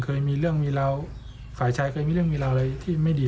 เคยมีเรื่องมีราวฝ่ายชายเคยมีเรื่องมีราวอะไรที่ไม่ดี